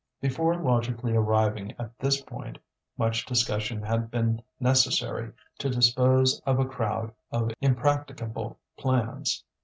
Before logically arriving at this point, much discussion had been necessary to dispose of a crowd of impracticable plans.